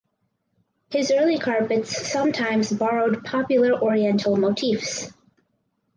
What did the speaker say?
His early carpets sometimes borrowed popular oriental motifs.